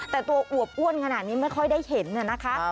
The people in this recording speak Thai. แต่ตัวอวบอ้วนขนาดนี้ไม่ค่อยได้เห็นนะคะ